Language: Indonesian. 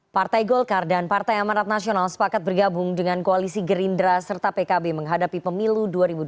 partai golkar dan partai amarat nasional sepakat bergabung dengan koalisi gerindra serta pkb menghadapi pemilu dua ribu dua puluh